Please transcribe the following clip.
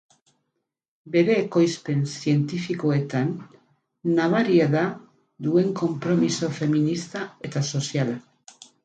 Bere ekoizpen zientifikoetan nabaria da duen konpromiso feminista eta soziala.